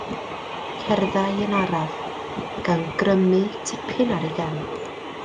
Cerddai yn araf, gan grymu tipyn ar ei gefn.